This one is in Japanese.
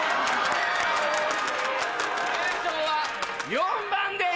・優勝は４番です！